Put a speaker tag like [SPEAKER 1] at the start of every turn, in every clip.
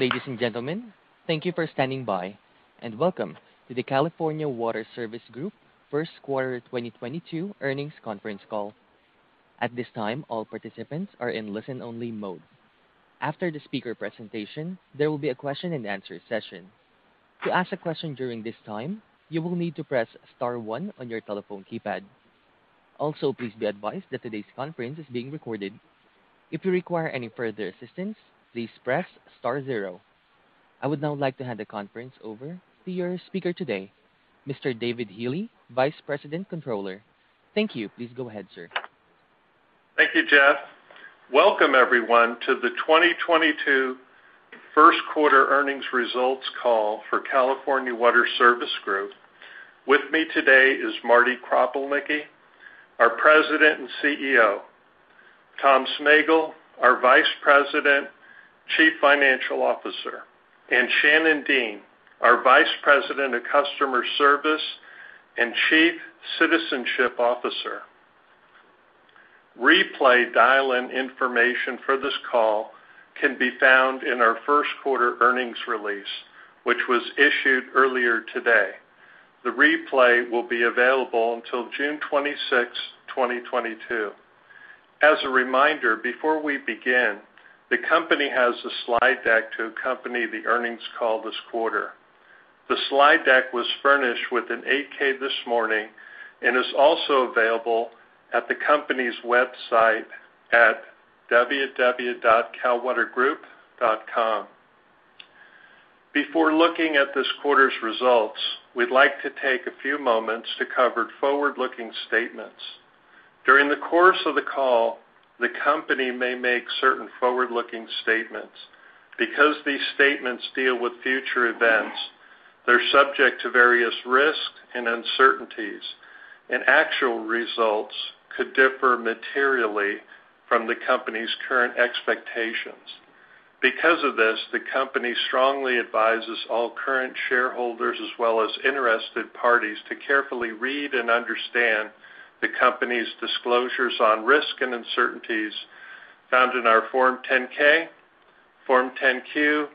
[SPEAKER 1] Ladies and gentlemen, thank you for standing by, and welcome to the California Water Service Group First Quarter 2022 Earnings Conference Call. At this time, all participants are in listen-only mode. After the speaker presentation, there will be a Question-and-Answer Session. To ask a question during this time, you will need to press star one on your telephone keypad. Also, please be advised that today's conference is being recorded. If you require any further assistance, please press star zero. I would now like to hand the conference over to your speaker today, Mr. David Healey, Vice President, Controller. Thank you. Please go ahead, sir.
[SPEAKER 2] Thank you, Jeff. Welcome everyone to the 2022 First Quarter Earnings Results Call for California Water Service Group. With me today is Marty Kropelnicki, our President and CEO, Tom Smegal, our Vice President, Chief Financial Officer, and Shannon Dean, our Vice President of Customer Service and Chief Citizenship Officer. Replay dial-in information for this call can be found in our first quarter earnings release, which was issued earlier today. The replay will be available until 26 June 2022. As a reminder, before we begin, the company has a slide deck to accompany the earnings call this quarter. The slide deck was furnished with an 8-K this morning and is also available at the company's website at www.calwatergroup.com. Before looking at this quarter's results, we'd like to take a few moments to cover forward-looking statements. During the course of the call, the company may make certain forward-looking statements. Because these statements deal with future events, they're subject to various risks and uncertainties, and actual results could differ materially from the company's current expectations. Because of this, the company strongly advises all current shareholders as well as interested parties to carefully read and understand the company's disclosures on risk and uncertainties found in our Form 10-K, Form 10-Q,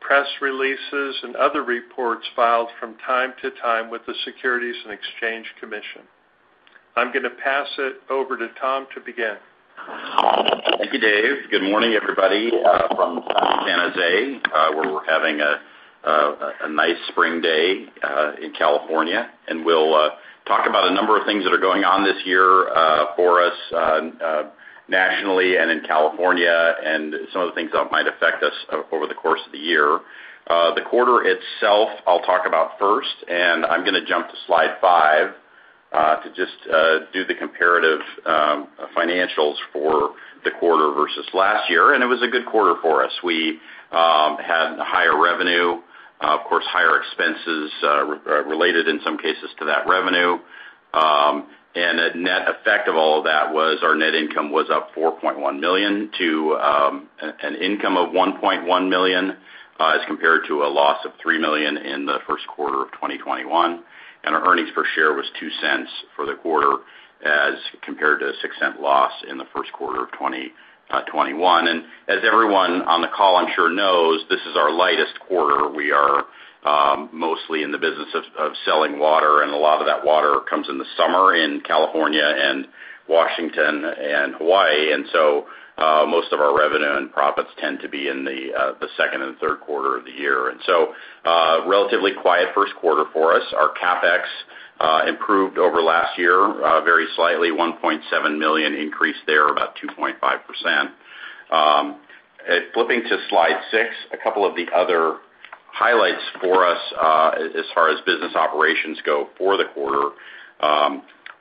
[SPEAKER 2] press releases, and other reports filed from time to time with the Securities and Exchange Commission. I'm gonna pass it over to Tom to begin.
[SPEAKER 3] Thank you, Dave. Good morning, everybody, from San Jose, where we're having a nice spring day in California. We'll talk about a number of things that are going on this year, for us, nationally and in California and some of the things that might affect us over the course of the year. The quarter itself, I'll talk about first, and I'm gonna jump to slide five, to just do the comparative financials for the quarter versus last year. It was a good quarter for us. We had higher revenue, of course, higher expenses, related in some cases to that revenue. The net effect of all of that was our net income was up $4.1 million to an income of $1.1 million, as compared to a loss of $3 million in the first quarter of 2021. Our earnings per share was $0.02 for the quarter as compared to a $0.06 loss in the first quarter of 2021. As everyone on the call I'm sure knows, this is our lightest quarter. We are mostly in the business of selling water, and a lot of that water comes in the summer in California and Washington and Hawaii. Most of our revenue and profits tend to be in the second and third quarter of the year. Relatively quiet first quarter for us. Our CapEx improved over last year, very slightly, $1.7 million increase there, about 2.5%. Flipping to slide six, a couple of the other highlights for us, as far as business operations go for the quarter.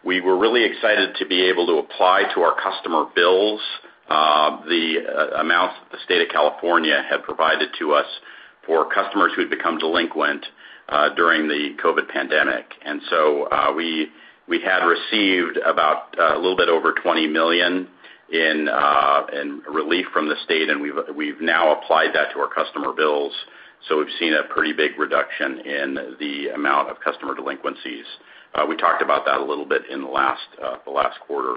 [SPEAKER 3] We were really excited to be able to apply to our customer bills, the amounts that the State of California had provided to us for customers who had become delinquent during the COVID pandemic. We had received about a little bit over $20 million in relief from the state, and we've now applied that to our customer bills. We've seen a pretty big reduction in the amount of customer delinquencies. We talked about that a little bit in the last quarter.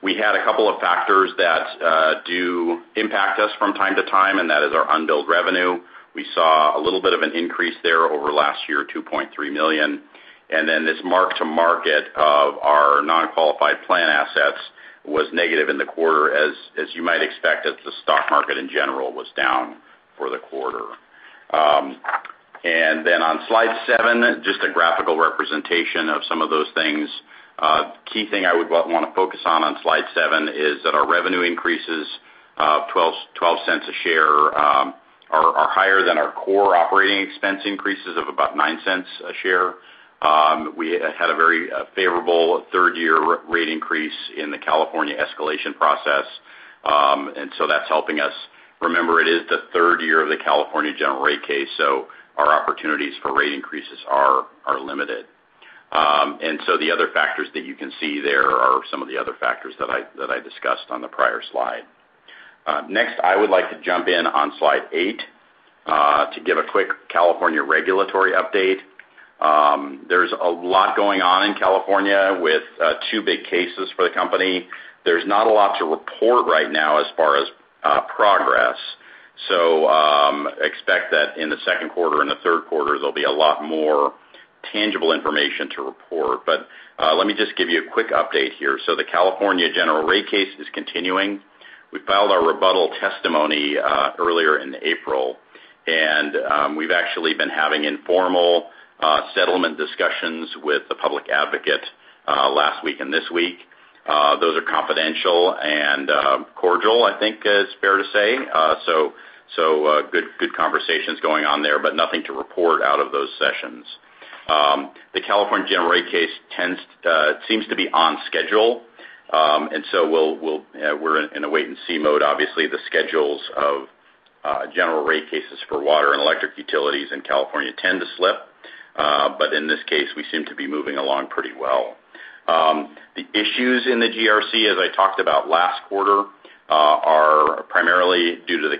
[SPEAKER 3] We had a couple of factors that do impact us from time to time, and that is our unbilled revenue. We saw a little bit of an increase there over last year, $2.3 million. Then this mark-to-market of our non-qualified plan assets was negative in the quarter as you might expect, as the stock market in general was down for the quarter. Then on slide seven, just a graphical representation of some of those things. Key thing I would wanna focus on slide seven is that our revenue increases, $0.12 a share, are higher than our core operating expense increases of about $0.09 a share. We had a very favorable third-year rate increase in the California escalation process. That's helping us. Remember, it is the third year of the California General Rate Case, so our opportunities for rate increases are limited. The other factors that you can see there are some of the other factors that I discussed on the prior slide. Next, I would like to jump in on slide eight to give a quick California regulatory update. There's a lot going on in California with two big cases for the company. There's not a lot to report right now as far as progress, so expect that in the second quarter and the third quarter, there'll be a lot more tangible information to report. Let me just give you a quick update here. The California General Rate Case is continuing. We filed our rebuttal testimony earlier in April, and we've actually been having informal settlement discussions with the public advocate last week and this week. Those are confidential and cordial, I think is fair to say. Good conversations going on there, but nothing to report out of those sessions. The California General Rate Case seems to be on schedule. We'll be in a wait and see mode. Obviously, the schedules of general rate cases for water and electric utilities in California tend to slip, but in this case, we seem to be moving along pretty well. The issues in the GRC, as I talked about last quarter, are primarily due to the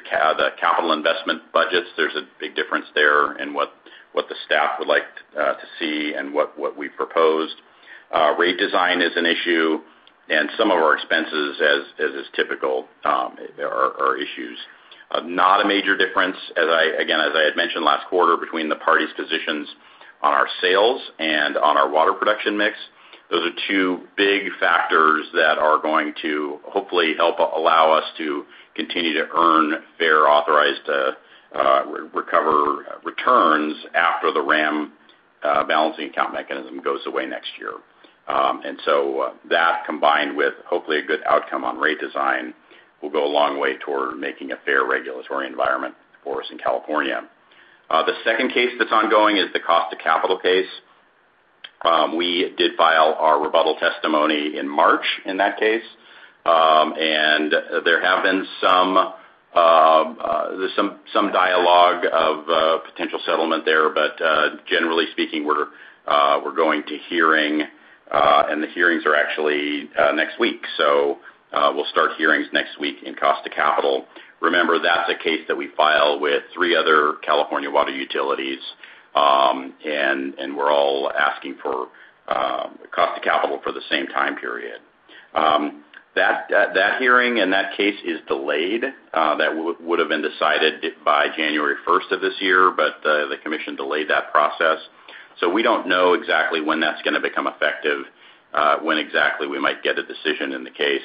[SPEAKER 3] capital investment budgets. There's a big difference there in what the staff would like to see and what we've proposed. Rate design is an issue and some of our expenses, as is typical, are issues. Not a major difference, as I again had mentioned last quarter, between the parties' positions on our sales and on our water production mix. Those are two big factors that are going to hopefully help allow us to continue to earn fair, authorized, recover returns after the WRAM balancing account mechanism goes away next year. That combined with, hopefully, a good outcome on rate design will go a long way toward making a fair regulatory environment for us in California. The second case that's ongoing is the cost of capital case. We did file our rebuttal testimony in March in that case. There have been some, there's some dialogue of potential settlement there, but generally speaking, we're going to hearing, and the hearings are actually next week. We'll start hearings next week in Cost of Capital. Remember, that's a case that we file with three other California water utilities, and we're all asking for Cost of Capital for the same time period. That hearing and that case is delayed. That would have been decided by January first of this year, but the commission delayed that process. We don't know exactly when that's gonna become effective, when exactly we might get a decision in the case.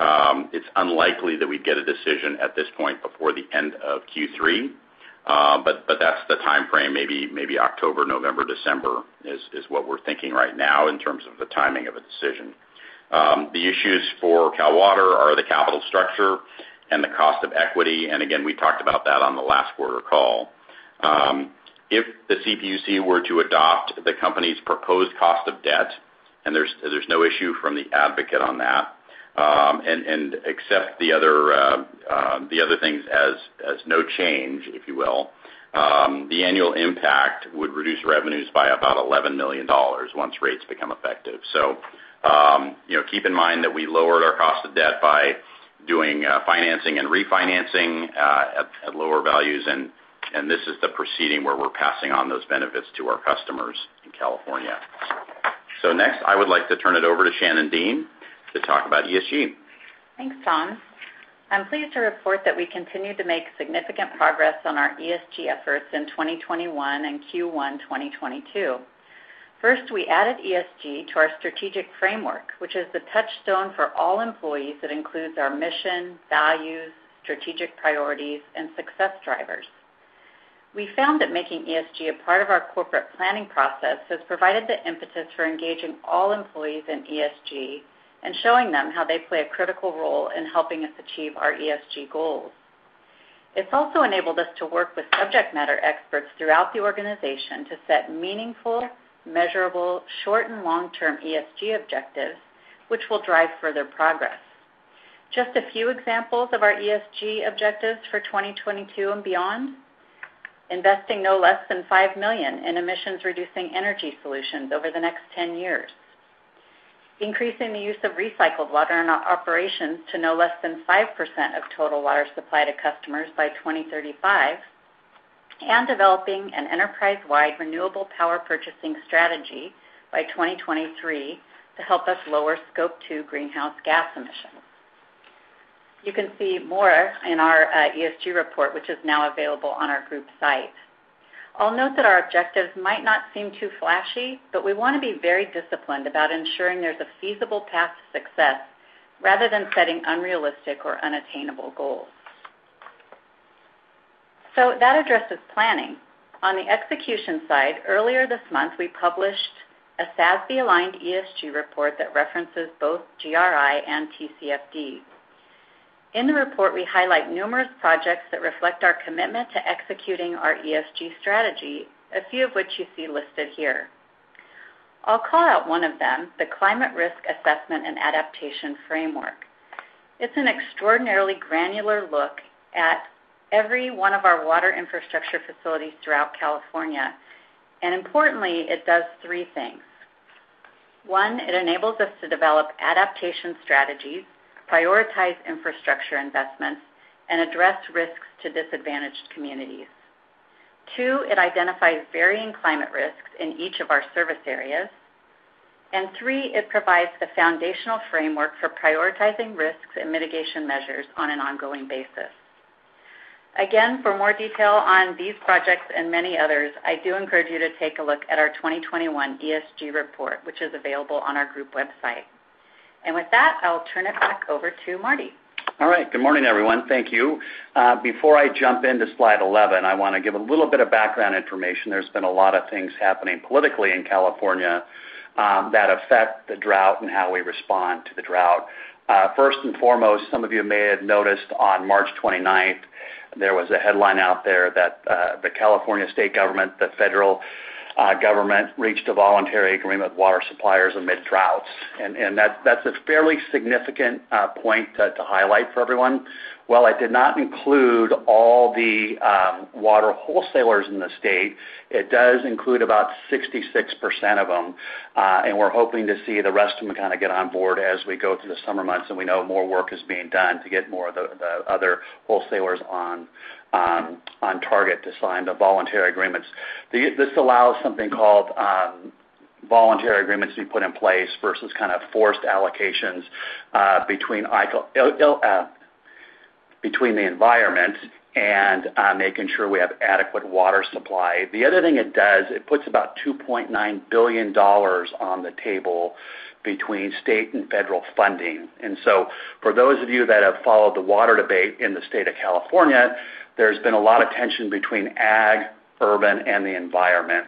[SPEAKER 3] It's unlikely that we'd get a decision at this point before the end of Q3, but that's the timeframe. Maybe October, November, December is what we're thinking right now in terms of the timing of a decision. The issues for Cal Water are the capital structure and the cost of equity. Again, we talked about that on the last quarter call. If the CPUC were to adopt the company's proposed cost of debt, and there's no issue from the advocate on that, and accept the other things as no change, if you will, the annual impact would reduce revenues by about $11 million once rates become effective. You know, keep in mind that we lowered our cost of debt by doing financing and refinancing at lower values and this is the proceeding where we're passing on those benefits to our customers in California. Next, I would like to turn it over to Shannon Dean to talk about ESG.
[SPEAKER 4] Thanks, Tom. I'm pleased to report that we continue to make significant progress on our ESG efforts in 2021 and Q1 2022. First, we added ESG to our strategic framework, which is the touchstone for all employees that includes our mission, values, strategic priorities, and success drivers. We found that making ESG a part of our corporate planning process has provided the impetus for engaging all employees in ESG and showing them how they play a critical role in helping us achieve our ESG goals. It's also enabled us to work with subject matter experts throughout the organization to set meaningful, measurable, short- and long-term ESG objectives, which will drive further progress. Just a few examples of our ESG objectives for 2022 and beyond, investing no less than $5 million in emissions-reducing energy solutions over the next 10 years, increasing the use of recycled water in our operations to no less than 5% of total water supply to customers by 2035, and developing an enterprise-wide renewable power purchasing strategy by 2023 to help us lower Scope 2 greenhouse gas emissions. You can see more in our ESG report, which is now available on our group site. I'll note that our objectives might not seem too flashy, but we wanna be very disciplined about ensuring there's a feasible path to success rather than setting unrealistic or unattainable goals. That addresses planning. On the execution side, earlier this month, we published a SASB-aligned ESG report that references both GRI and TCFD. In the report, we highlight numerous projects that reflect our commitment to executing our ESG strategy, a few of which you see listed here. I'll call out one of them, the Climate Risk Assessment and Adaptation Framework. It's an extraordinarily granular look at every one of our water infrastructure facilities throughout California. Importantly, it does three things. One, it enables us to develop adaptation strategies, prioritize infrastructure investments, and address risks to disadvantaged communities. Two, it identifies varying climate risks in each of our service areas. And three, it provides a foundational framework for prioritizing risks and mitigation measures on an ongoing basis. Again, for more detail on these projects and many others, I do encourage you to take a look at our 2021 ESG report, which is available on our group website. With that, I'll turn it back over to Marty.
[SPEAKER 5] All right. Good morning, everyone. Thank you. Before I jump into slide 11, I want to give a little bit of background information. There's been a lot of things happening politically in California, that affect the drought and how we respond to the drought. First and foremost, some of you may have noticed on 29 March, there was a headline out there that, the California state government, the federal government reached a voluntary agreement with water suppliers amid droughts. That's a fairly significant point to highlight for everyone. While it did not include all the water wholesalers in the state, it does include about 66% of them. We're hoping to see the rest of them kind of get on board as we go through the summer months, and we know more work is being done to get more of the other wholesalers on target to sign the voluntary agreements. This allows something called voluntary agreements to be put in place versus kind of forced allocations between the environment and making sure we have adequate water supply. The other thing it does, it puts about $2.9 billion on the table between state and federal funding. For those of you that have followed the water debate in the state of California, there's been a lot of tension between ag, urban, and the environment.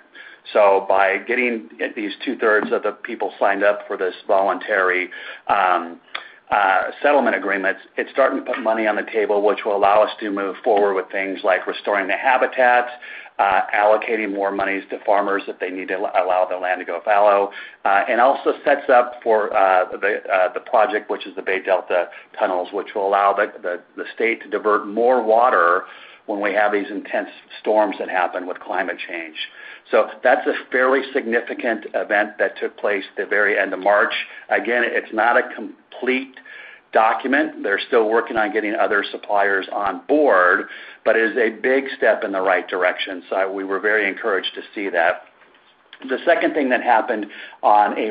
[SPEAKER 5] By getting at least two-thirds of the people signed up for this voluntary settlement agreement, it's starting to put money on the table, which will allow us to move forward with things like restoring the habitats, allocating more monies to farmers if they need to allow their land to go fallow, and also sets up for the project, which is the Bay Delta Tunnels, which will allow the state to divert more water when we have these intense storms that happen with climate change. That's a fairly significant event that took place at the very end of March. Again, it's not a complete document. They're still working on getting other suppliers on board, but it is a big step in the right direction. We were very encouraged to see that. The second thing that happened on 14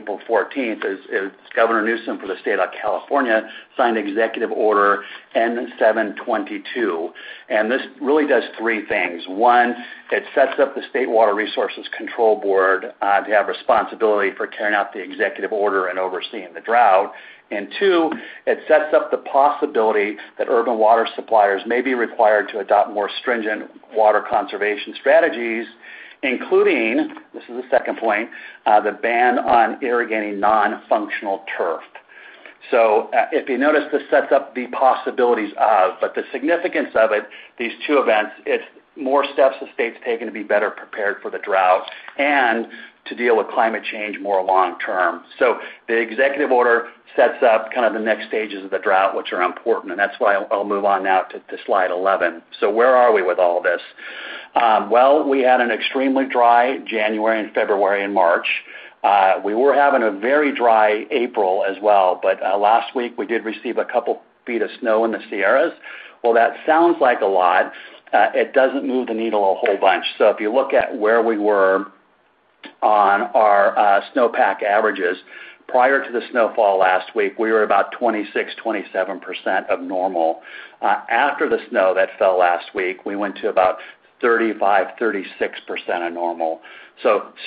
[SPEAKER 5] April is Governor Newsom for the State of California signed Executive Order N-7-22, and this really does three things. One, it sets up the State Water Resources Control Board to have responsibility for carrying out the executive order and overseeing the drought. Two, it sets up the possibility that urban water suppliers may be required to adopt more stringent water conservation strategies, including this is the second point the ban on irrigating non-functional turf. If you notice, this sets up the possibilities of, but the significance of it, these two events, it's more steps the state's taking to be better prepared for the drought and to deal with climate change more long term. The executive order sets up kind of the next stages of the drought, which are important, and that's why I'll move on now to slide eleven. Where are we with all this? We had an extremely dry January and February and March. We were having a very dry April as well, but last week we did receive a couple feet of snow in the Sierras. While that sounds like a lot, it doesn't move the needle a whole bunch. If you look at where we were on our snowpack averages, prior to the snowfall last week, we were about 26-27% of normal. After the snow that fell last week, we went to about 35-36% of normal.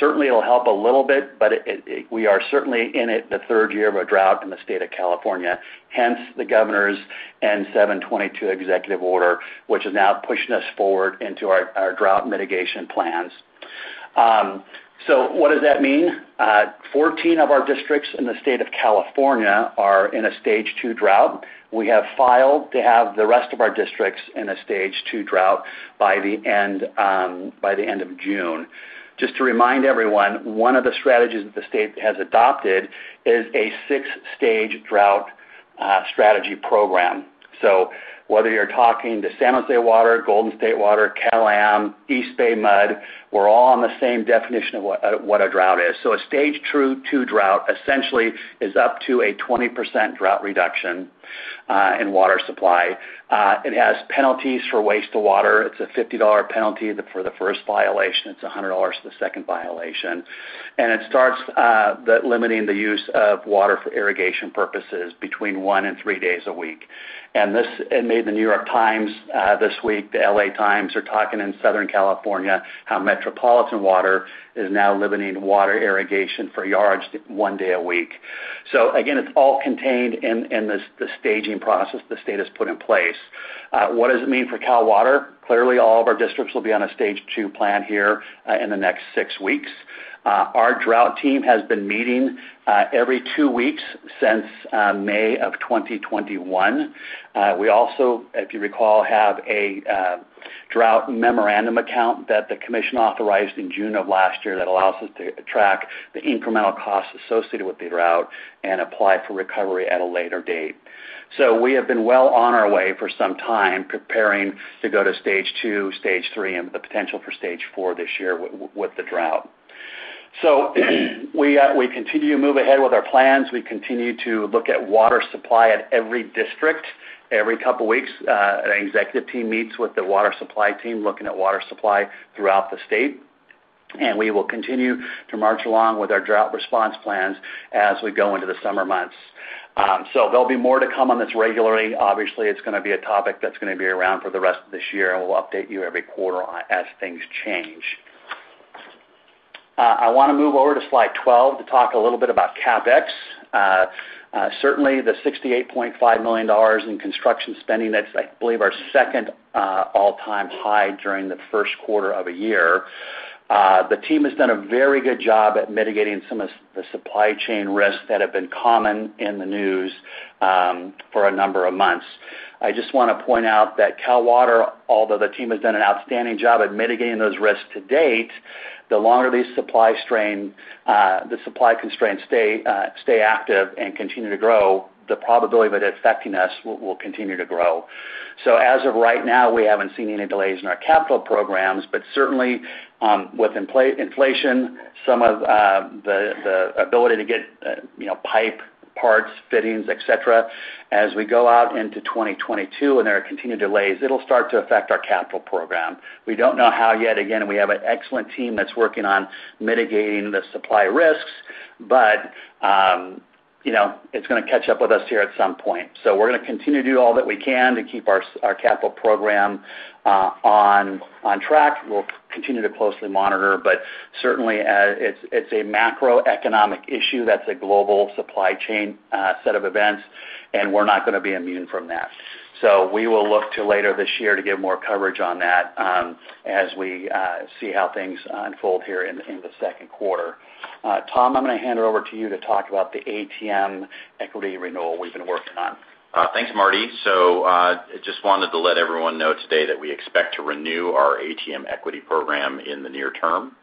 [SPEAKER 5] Certainly it'll help a little bit, but it we are certainly in the third year of a drought in the state of California, hence the Governor's N-7-22 executive order, which is now pushing us forward into our drought mitigation plans. What does that mean? 14 of our districts in the state of California are in a Stage 2 drought. We have filed to have the rest of our districts in a Stage 2 drought by the end of June. Just to remind everyone, one of the strategies that the state has adopted is a six-stage drought strategy program. Whether you're talking to San Jose Water, Golden State Water, Cal Am, East Bay MUD, we're all on the same definition of what a drought is. A Stage 2 drought essentially is up to a 20% drought reduction in water supply. It has penalties for waste of water. It's a $50 penalty for the first violation. It's a $100 for the second violation. It starts limiting the use of water for irrigation purposes between one and week days a week. This made The New York Times this week. The LA Times are talking in Southern California how Metropolitan Water is now limiting water irrigation for yards one day a week. Again, it's all contained in this staging process the state has put in place. What does it mean for Cal Water? Clearly, all of our districts will be on a Stage 2 plan here in the next six weeks. Our drought team has been meeting every two weeks since May of 2021. We also, if you recall, have a drought memorandum account that the commission authorized in June of last year that allows us to track the incremental costs associated with the drought and apply for recovery at a later date. We have been well on our way for some time preparing to go to Stage 2, Stage 3, and the potential for stage 4 this year with the drought. We continue to move ahead with our plans. We continue to look at water supply at every district. Every couple weeks, an executive team meets with the water supply team looking at water supply throughout the state. We will continue to march along with our drought response plans as we go into the summer months. There'll be more to come on this regularly. Obviously, it's gonna be a topic that's gonna be around for the rest of this year, and we'll update you every quarter on as things change. I wanna move over to slide 12 to talk a little bit about CapEx. Certainly, the $68.5 million in construction spending, that's, I believe, our second all-time high during the first quarter of a year. The team has done a very good job at mitigating some of the supply chain risks that have been common in the news for a number of months. I just wanna point out that Cal Water, although the team has done an outstanding job at mitigating those risks to date, the longer these supply constraints stay active and continue to grow, the probability of it affecting us will continue to grow. As of right now, we haven't seen any delays in our capital programs, but certainly, with inflation, some of the ability to get, you know, pipe, parts, fittings, et cetera, as we go out into 2022 and there are continued delays, it'll start to affect our capital program. We don't know how yet. Again, we have an excellent team that's working on mitigating the supply risks, but, you know, it's gonna catch up with us here at some point. We're gonna continue to do all that we can to keep our capital program on track. We'll continue to closely monitor, but certainly, it's a macroeconomic issue that's a global supply chain set of events, and we're not gonna be immune from that. We will look to later this year to give more coverage on that, as we see how things unfold here in the second quarter. Tom, I'm gonna hand it over to you to talk about the ATM equity renewal we've been working on.
[SPEAKER 3] Thanks, Marty. I just wanted to let everyone know today that we expect to renew our ATM equity program in the near term.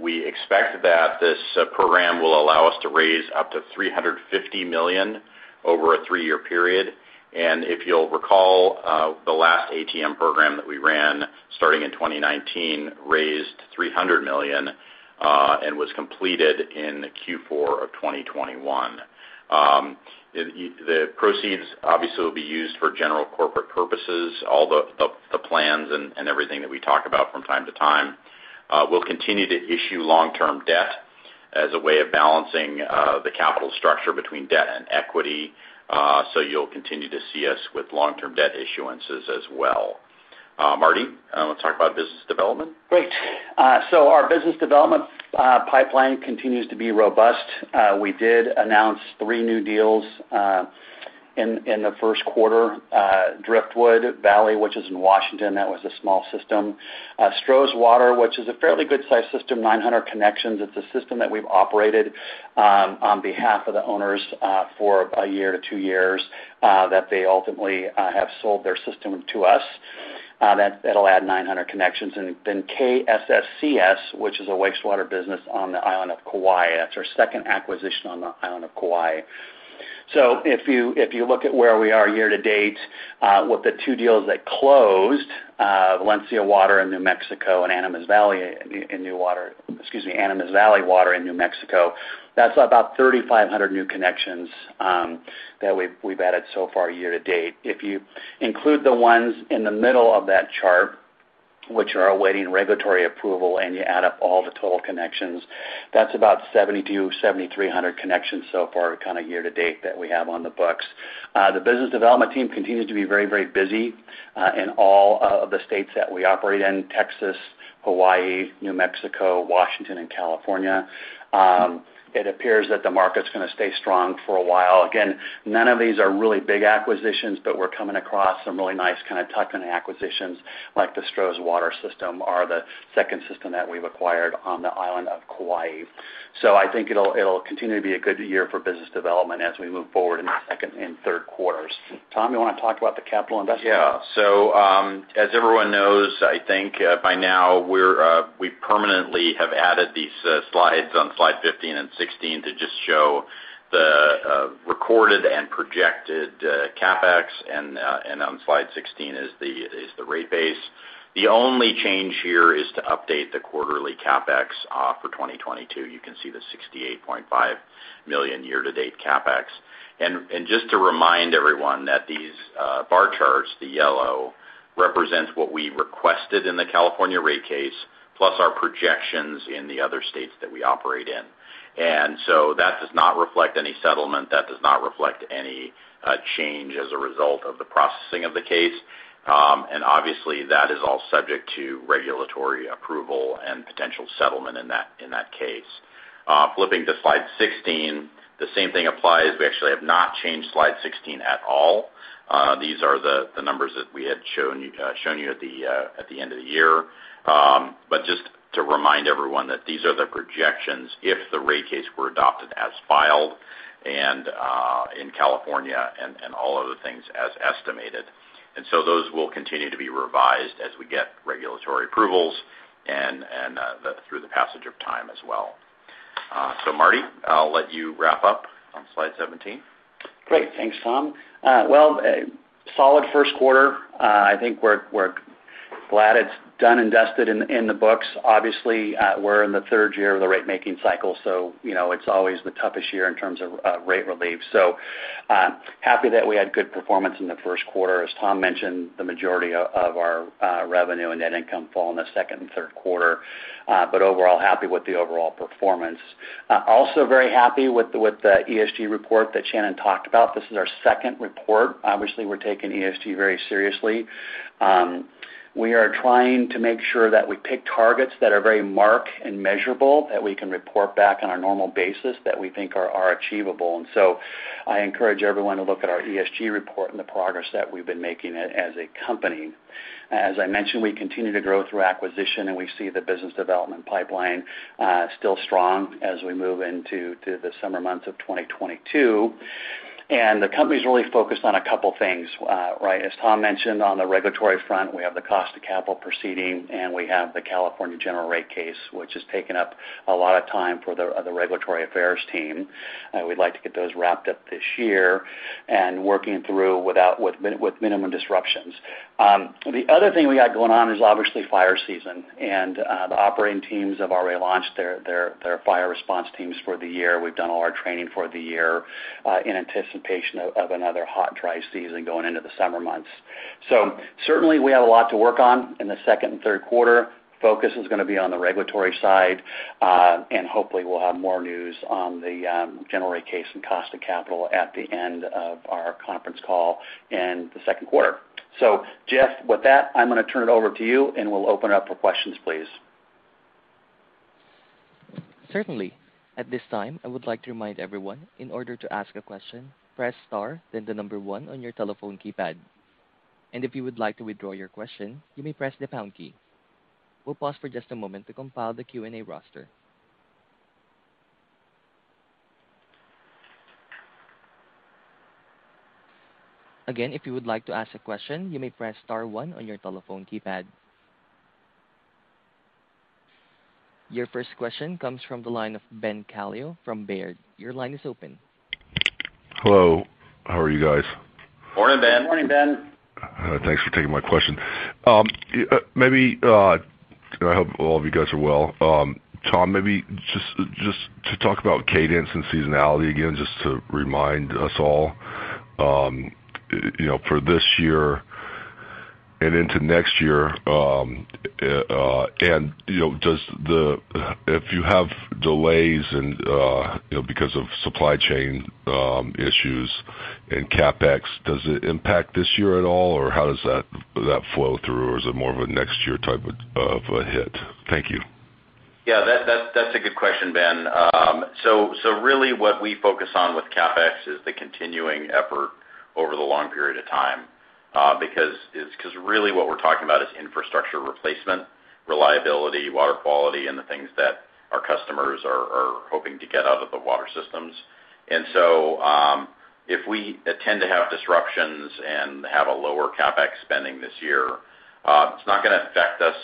[SPEAKER 3] We expect that this program will allow us to raise up to $350 million over a three-year period. If you'll recall, the last ATM program that we ran starting in 2019 raised $300 million and was completed in Q4 of 2021. The proceeds obviously will be used for general corporate purposes, all the plans and everything that we talk about from time to time. We'll continue to issue long-term debt as a way of balancing the capital structure between debt and equity, so you'll continue to see us with long-term debt issuances as well. Marty, want to talk about business development?
[SPEAKER 5] Great. So our business development pipeline continues to be robust. We did announce three new deals in the first quarter. Driftwood Valley, which is in Washington, that was a small system. Stroh's Water, which is a fairly good-sized system, 900 connections. It's a system that we've operated on behalf of the owners for a year to two years that they ultimately have sold their system to us. That it'll add 900 connections. KSSCS, which is a wastewater business on the island of Kauai. That's our second acquisition on the island of Kauai. If you look at where we are year to date with the two deals that closed, Valencia Mesa in New Mexico and Animas Valley Land and Water in New Mexico, that's about 3,500 new connections that we've added so far year to date. If you include the ones in the middle of that chart, which are awaiting regulatory approval, and you add up all the total connections, that's about 7,000-7,300 connections so far kind of year to date that we have on the books. The business development team continues to be very busy in all of the states that we operate in, Texas, Hawaii, New Mexico, Washington, and California. It appears that the market's gonna stay strong for a while. Again, none of these are really big acquisitions, but we're coming across some really nice kind of tuck-in acquisitions, like the Stroh's Water system or the second system that we've acquired on the island of Kauai. I think it'll continue to be a good year for business development as we move forward in the second and third quarters. Tom, you wanna talk about the capital investment?
[SPEAKER 3] Yeah, as everyone knows, I think, by now we permanently have added these slides on slide 15 and 16 to just show the recorded and projected CapEx and on slide 16 is the rate base. The only change here is to update the quarterly CapEx for 2022. You can see the $68.5 million year-to-date CapEx. Just to remind everyone that these bar charts, the yellow, represents what we requested in the California rate case, plus our projections in the other states that we operate in. That does not reflect any settlement. That does not reflect any change as a result of the processing of the case. Obviously, that is all subject to regulatory approval and potential settlement in that case. Flipping to slide 16, the same thing applies. We actually have not changed slide 16 at all. These are the numbers that we had shown you at the end of the year. Just to remind everyone that these are the projections if the rate case were adopted as filed and in California and through the passage of time as well. Marty, I'll let you wrap up on slide 17.
[SPEAKER 5] Great. Thanks, Tom. A solid first quarter. I think we're glad it's done and dusted in the books. Obviously, we're in the third year of the rate making cycle, so you know, it's always the toughest year in terms of rate relief. Happy that we had good performance in the first quarter. As Tom mentioned, the majority of our revenue and net income fall in the second and third quarter. Overall, happy with the overall performance. Also very happy with the ESG Report that Shannon talked about. This is our second report. Obviously, we're taking ESG very seriously. We are trying to make sure that we pick targets that are very marked and measurable, that we can report back on an annual basis that we think are achievable. I encourage everyone to look at our ESG Report and the progress that we've been making as a company. As I mentioned, we continue to grow through acquisition, and we see the business development pipeline still strong as we move into the summer months of 2022. The company's really focused on a couple things, right? As Tom mentioned, on the regulatory front, we have the cost of capital proceeding, and we have the California General Rate Case, which has taken up a lot of time for the regulatory affairs team. We'd like to get those wrapped up this year and working through with minimum disruptions. The other thing we got going on is obviously fire season. The operating teams have already launched their fire response teams for the year. We've done all our training for the year in anticipation of another hot, dry season going into the summer months. Certainly, we have a lot to work on in the second and third quarter. Focus is gonna be on the regulatory side, and hopefully we'll have more news on the General Rate Case and Cost of Capital at the end of our conference call in the second quarter. Jeff, with that, I'm gonna turn it over to you, and we'll open it up for questions, please.
[SPEAKER 1] Certainly. At this time, I would like to remind everyone, in order to ask a question, press star then the number one on your telephone keypad. If you would like to withdraw your question, you may press the pound key. We'll pause for just a moment to compile the Q&A roster. Again, if you would like to ask a question, you may press star one on your telephone keypad. Your first question comes from the line of Ben Kallo from Baird. Your line is open.
[SPEAKER 6] Hello. How are you guys?
[SPEAKER 3] Morning, Ben.
[SPEAKER 6] Thanks for taking my question. Maybe, I hope all of you guys are well. Tom, maybe just to talk about cadence and seasonality again, just to remind us all, you know, for this year and into next year, and, you know, does if you have delays and you know, because of supply chain issues and CapEx, does it impact this year at all? Or how does that flow through? Or is it more of a next year type of a hit? Thank you.
[SPEAKER 3] Yeah, that's a good question, Ben. So really what we focus on with CapEx is the continuing effort over the long period of time, because 'cause really what we're talking about is infrastructure replacement, reliability, water quality, and the things that our customers are hoping to get out of the water systems. If we tend to have disruptions and have a lower CapEx spending this year, it's not gonna affect us.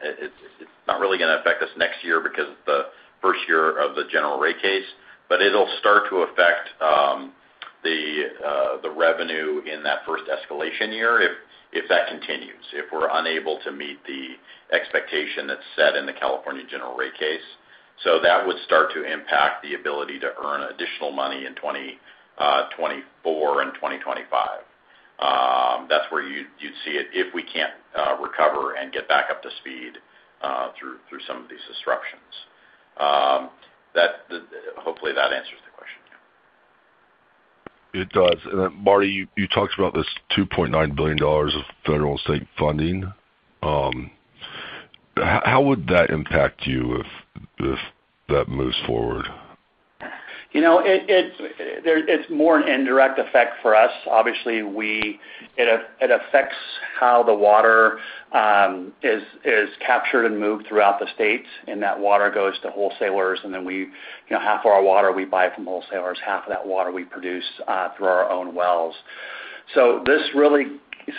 [SPEAKER 3] It's not really gonna affect us next year because it's the first year of the General Rate Case. It'll start to affect the revenue in that first escalation year if that continues, if we're unable to meet the expectation that's set in the California General Rate Case. That would start to impact the ability to earn additional money in 2024 and 2025. That's where you'd see it if we can't recover and get back up to speed through some of these disruptions. Hopefully, that answers the question.
[SPEAKER 6] It does. Marty, you talked about this $2.9 billion of federal and state funding. How would that impact you if that moves forward?
[SPEAKER 5] You know, it's more an indirect effect for us. Obviously, it affects how the water is captured and moved throughout the state, and that water goes to wholesalers. We, you know, half of our water we buy from wholesalers, half of that water we produce through our own wells. This really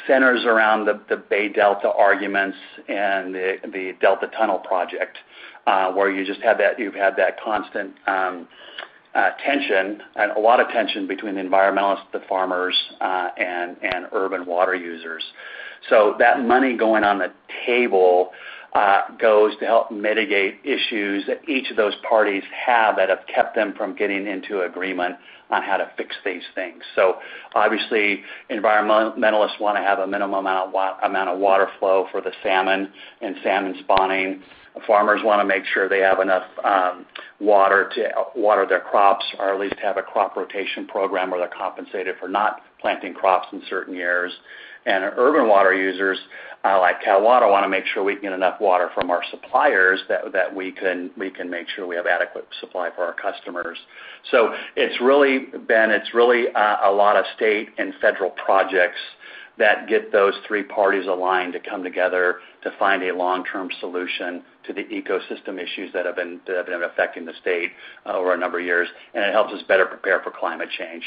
[SPEAKER 5] centers around the Bay Delta arguments and the Delta Tunnel Project, where you just have that you've had that constant tension and a lot of tension between the environmentalists, the farmers, and urban water users. That money going on the table goes to help mitigate issues that each of those parties have that have kept them from getting into agreement on how to fix these things. Obviously, environmentalists wanna have a minimum amount of water flow for the salmon and salmon spawning. Farmers wanna make sure they have enough water to water their crops, or at least have a crop rotation program where they're compensated for not planting crops in certain years. Urban water users like Cal Water wanna make sure we can get enough water from our suppliers that we can make sure we have adequate supply for our customers. It's really, Ben, it's really a lot of state and federal projects that get those three parties aligned to come together to find a long-term solution to the ecosystem issues that have been affecting the state over a number of years, and it helps us better prepare for climate change.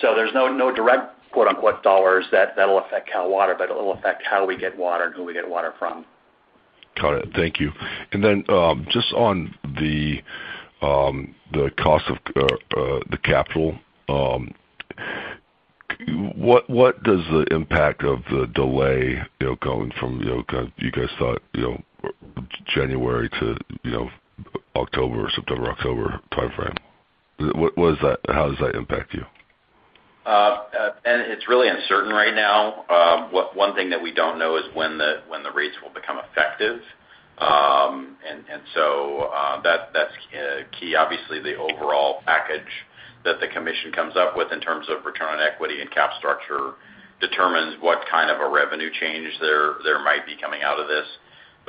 [SPEAKER 5] There's no direct quote-unquote "dollars" that that'll affect Cal Water, but it will affect how we get water and who we get water from.
[SPEAKER 6] Got it. Thank you. Just on the cost of capital, what does the impact of the delay, you know, going from, you know, kind of you guys thought, you know, January to, you know, October or September, October timeframe. What does that, how does that impact you?
[SPEAKER 3] It's really uncertain right now. One thing that we don't know is when the rates will become effective. That's key. Obviously, the overall package that the commission comes up with in terms of return on equity and capital structure determines what kind of a revenue change there might be coming out of this.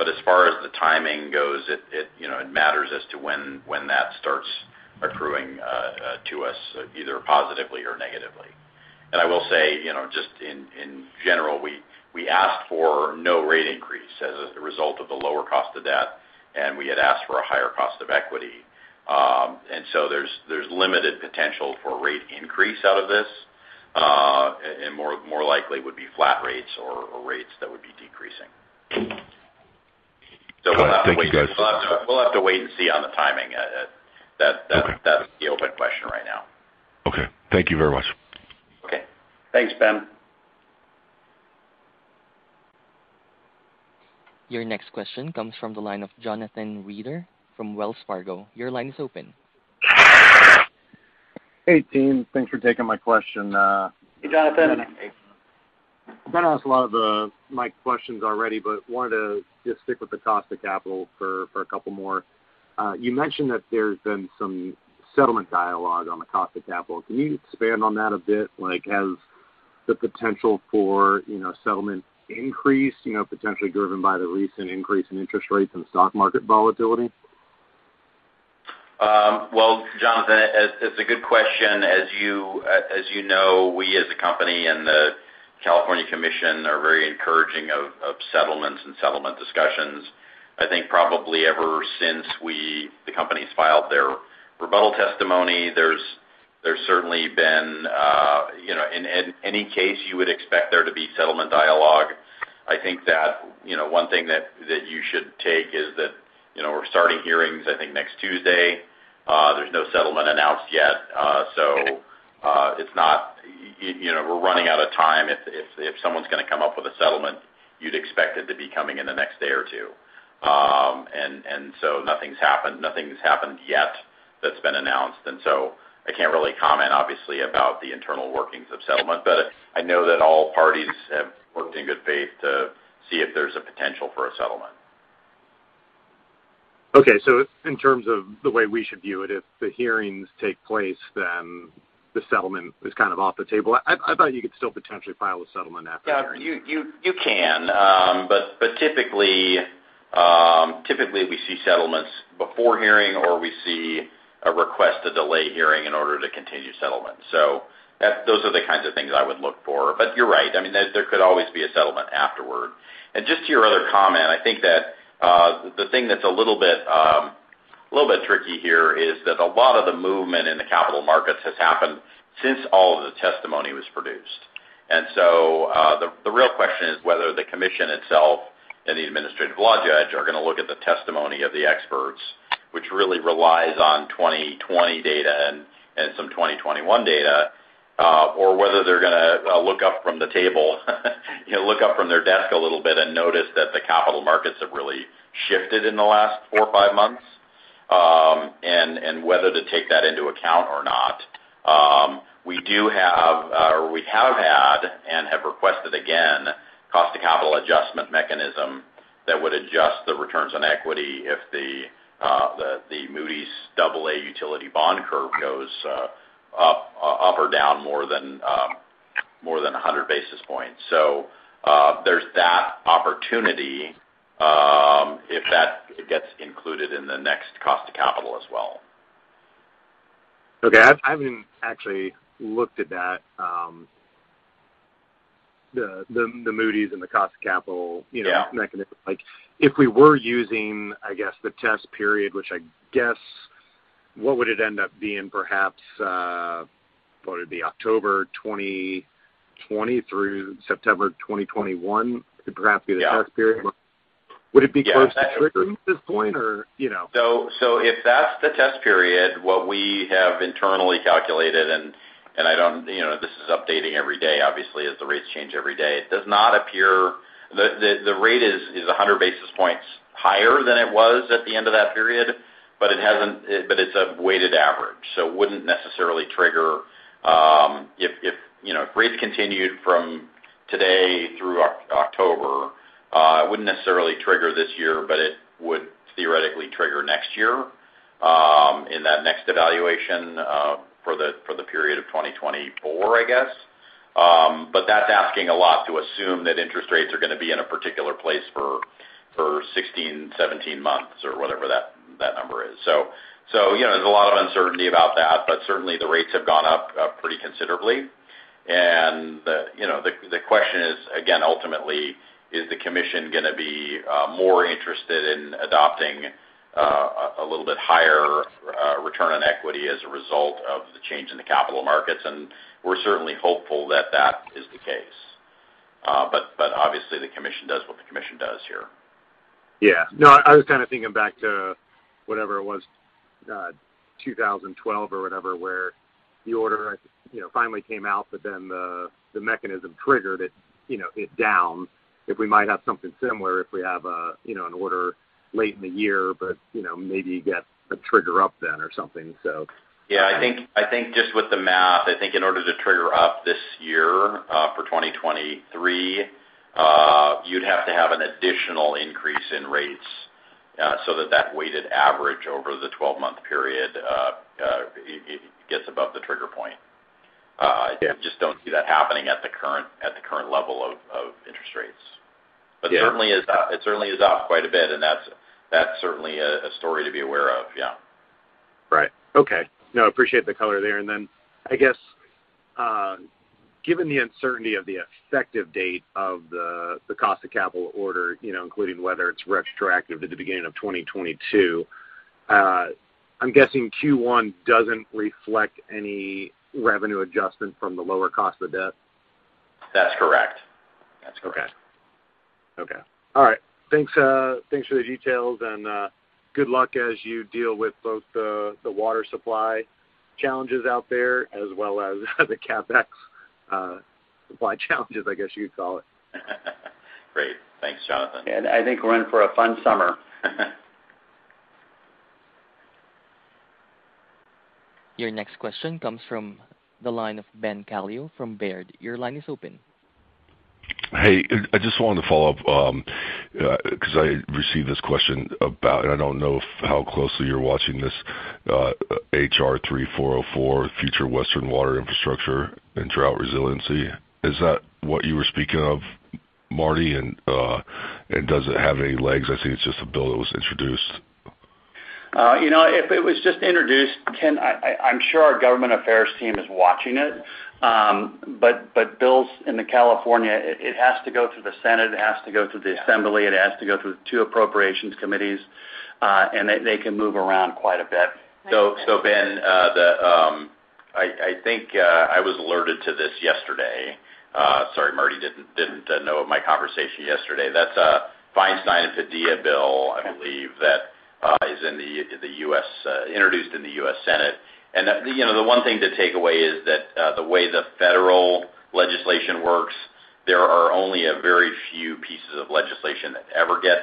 [SPEAKER 3] As far as the timing goes, you know, it matters as to when that starts accruing to us, either positively or negatively. I will say, you know, just in general, we asked for no rate increase as a result of the lower cost of debt, and we had asked for a higher cost of equity. There's limited potential for rate increase out of this. More likely would be flat rates or rates that would be decreasing.
[SPEAKER 6] Got it. Thank you, guys.
[SPEAKER 3] We'll have to wait and see on the timing.
[SPEAKER 6] Okay.
[SPEAKER 3] That's the open question right now.
[SPEAKER 6] Okay. Thank you very much.
[SPEAKER 3] Okay. Thanks, Ben.
[SPEAKER 1] Your next question comes from the line of Jonathan Reeder from Wells Fargo. Your line is open.
[SPEAKER 7] Hey, team. Thanks for taking my question.
[SPEAKER 5] Hey, Jonathan.
[SPEAKER 7] Ben asked a lot of my questions already, but wanted to just stick with the cost of capital for a couple more. You mentioned that there's been some settlement dialogue on the cost of capital. Can you expand on that a bit? Like, has the potential for, you know, settlement increased, you know, potentially driven by the recent increase in interest rates and stock market volatility?
[SPEAKER 3] Well, Jonathan, it's a good question. As you know, we as a company and the California Commission are very encouraging of settlements and settlement discussions. I think probably ever since the companies filed their rebuttal testimony, there's certainly been, you know. In any case, you would expect there to be settlement dialogue. I think that one thing that you should take is that we're starting hearings, I think, next Tuesday. There's no settlement announced yet. It's not, you know, we're running out of time. If someone's gonna come up with a settlement, you'd expect it to be coming in the next day or two. Nothing's happened yet that's been announced. I can't really comment, obviously, about the internal workings of settlement, but I know that all parties have worked in good faith to see if there's a potential for a settlement.
[SPEAKER 7] Okay. In terms of the way we should view it, if the hearings take place, then the settlement is kind of off the table. I thought you could still potentially file a settlement after the hearing.
[SPEAKER 3] Yeah, you can. Typically we see settlements before hearing or we see a request to delay hearing in order to continue settlement. Those are the kinds of things I would look for. You're right. I mean, there could always be a settlement afterward. Just to your other comment, I think that the thing that's a little bit tricky here is that a lot of the movement in the capital markets has happened since all of the testimony was produced. The real question is whether the commission itself and the administrative law judge are gonna look at the testimony of the experts, which really relies on 2020 data and some 2021 data, or whether they're gonna look up from the table, you know, look up from their desk a little bit and notice that the capital markets have really shifted in the last four or five months, and whether to take that into account or not. We do have, or we have had and have requested again Cost of Capital Adjustment Mechanism that would adjust the returns on equity if the Moody's Aa utility bond curve goes up or down more than 100 basis points. There's that opportunity, if that gets included in the next cost of capital as well.
[SPEAKER 7] Okay. I haven't actually looked at that, the Moody's and the cost of capital.
[SPEAKER 3] Yeah.
[SPEAKER 7] You know, mechanism. Like, if we were using, I guess, the test period, which I guess what would it end up being perhaps, what would it be October 2020 through September 2021 could perhaps.
[SPEAKER 3] Yeah.
[SPEAKER 7] Be the test period.
[SPEAKER 3] Yeah.
[SPEAKER 7] Would it be close to triggering at this point or, you know?
[SPEAKER 3] If that's the test period, what we have internally calculated, and I don't, you know, this is updating every day, obviously, as the rates change every day. It does not appear. The rate is 100 basis points higher than it was at the end of that period, but it's a weighted average, so it wouldn't necessarily trigger. If, you know, rates continued from today through October, it wouldn't necessarily trigger this year, but it would theoretically trigger next year, in that next evaluation, for the period of 2024, I guess. But that's asking a lot to assume that interest rates are gonna be in a particular place for 16-17 months or whatever that number is. You know, there's a lot of uncertainty about that, but certainly the rates have gone up pretty considerably. The question is, again, ultimately, is the commission gonna be more interested in adopting a little bit higher return on equity as a result of the change in the capital markets? We're certainly hopeful that that is the case. But obviously the commission does what the commission does here.
[SPEAKER 7] Yeah. No, I was kinda thinking back to whatever it was, 2012 or whatever, where the order, you know, finally came out, but then the mechanism triggered it, you know, it down. If we might have something similar if we have a, you know, an order late in the year, but, you know, maybe you get a trigger up then or something so.
[SPEAKER 3] Yeah. I think just with the math, I think in order to trigger up this year for 2023, you'd have to have an additional increase in rates, so that weighted average over the 12-month period, it gets above the trigger point.
[SPEAKER 7] Yeah.
[SPEAKER 3] I just don't see that happening at the current level of interest rates.
[SPEAKER 7] Yeah.
[SPEAKER 3] It certainly is up quite a bit, and that's certainly a story to be aware of. Yeah.
[SPEAKER 7] Right. Okay. No, I appreciate the color there. I guess, given the uncertainty of the effective date of the cost of capital order, you know, including whether it's retroactive to the beginning of 2022, I'm guessing Q1 doesn't reflect any revenue adjustment from the lower cost of debt.
[SPEAKER 3] That's correct. That's correct.
[SPEAKER 7] Okay. All right. Thanks for the details and good luck as you deal with both the water supply challenges out there as well as the CapEx supply challenges, I guess you'd call it.
[SPEAKER 3] Great. Thanks, Jonathan.
[SPEAKER 5] I think we're in for a fun summer.
[SPEAKER 1] Your next question comes from the line of Ben Kallo from Baird. Your line is open.
[SPEAKER 6] Hey, I just wanted to follow up, 'cause I received this question about, I don't know how closely you're watching this, H.R. 3404 future Western water infrastructure and drought resiliency. Is that what you were speaking of, Marty? Does it have any legs? I see it's just a bill that was introduced.
[SPEAKER 5] You know, if it was just introduced, Ben Kallo, I'm sure our government affairs team is watching it. Bills in California, it has to go through the Senate, it has to go through the Assembly, it has to go through two appropriations committees, and they can move around quite a bit.
[SPEAKER 3] Ben, I think I was alerted to this yesterday. Sorry, Marty didn't know of my conversation yesterday. That's a Feinstein and Padilla Bill, I believe, that is introduced in the U.S. Senate. You know, the one thing to take away is that the way the federal legislation works, there are only a very few pieces of legislation that ever get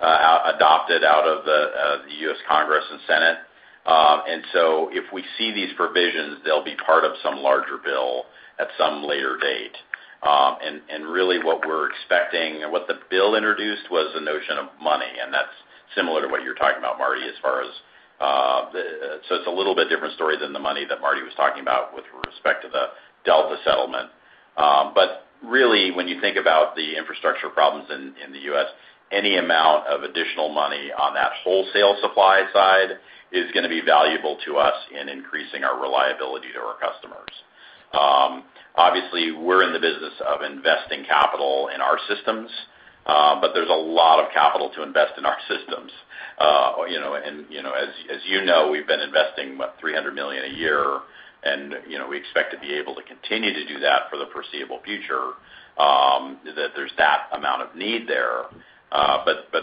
[SPEAKER 3] adopted out of the U.S. Congress and Senate. If we see these provisions, they'll be part of some larger bill at some later date. Really what we're expecting and what the bill introduced was the notion of money, and that's similar to what you're talking about, Marty, as far as the... ...It's a little bit different story than the money that Marty was talking about with respect to the Delta settlement. Really when you think about the infrastructure problems in the U.S., any amount of additional money on that wholesale supply side is gonna be valuable to us in increasing our reliability to our customers. Obviously, we're in the business of investing capital in our systems, but there's a lot of capital to invest in our systems. You know, and you know, as you know, we've been investing, what, $300 million a year and, you know, we expect to be able to continue to do that for the foreseeable future, that there's that amount of need there.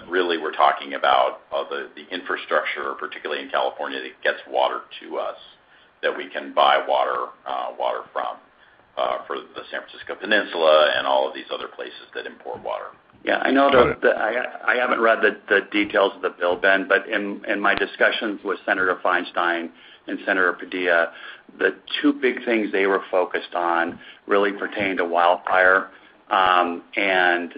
[SPEAKER 3] Really we're talking about the infrastructure, particularly in California, that gets water to us, that we can buy water from, for the San Francisco Peninsula and all of these other places that import water.
[SPEAKER 5] Yeah, I know.
[SPEAKER 6] Got it.
[SPEAKER 5] I haven't read the details of the bill, Ben, but in my discussions with Senator Feinstein and Senator Padilla, the two big things they were focused on really pertained to wildfire and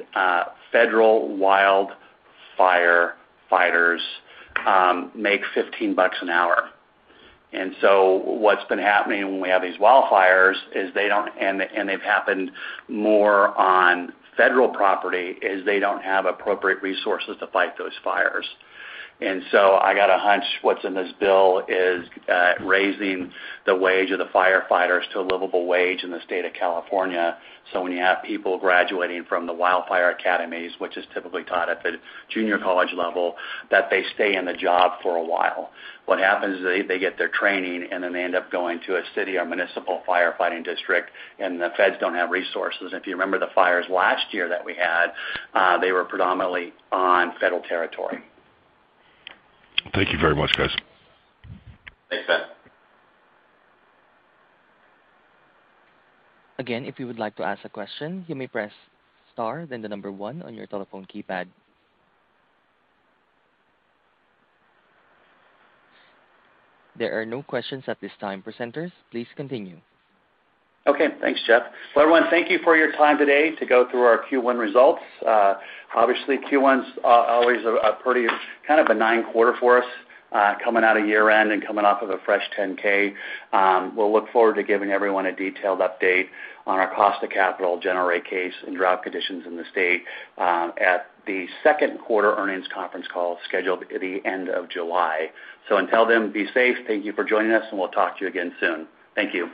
[SPEAKER 5] federal wildfire fighters make $15 an hour. What's been happening when we have these wildfires is they've happened more on federal property, they don't have appropriate resources to fight those fires. I got a hunch what's in this bill is raising the wage of the firefighters to a livable wage in the state of California. When you have people graduating from the wildfire academies, which is typically taught at the junior college level, that they stay in the job for a while. What happens is they get their training, and then they end up going to a city or municipal firefighting district, and the feds don't have resources. If you remember the fires last year that we had, they were predominantly on federal territory.
[SPEAKER 6] Thank you very much, guys.
[SPEAKER 3] Thanks, Ben.
[SPEAKER 1] Again, if you would like to ask a question, you may press star then the number one on your telephone keypad. There are no questions at this time. Presenters, please continue.
[SPEAKER 5] Okay. Thanks, Jeff. Well, everyone, thank you for your time today to go through our Q1 results. Obviously Q1's always a pretty kind of benign quarter for us, coming out of year-end and coming off of a fresh 10-K. We'll look forward to giving everyone a detailed update on our cost of capital general rate case and drought conditions in the state, at the second quarter earnings conference call scheduled at the end of July. Until then, be safe. Thank you for joining us, and we'll talk to you again soon. Thank you.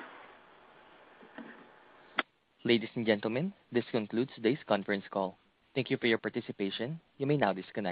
[SPEAKER 1] Ladies and gentlemen, this concludes today's conference call. Thank you for your participation. You may now disconnect.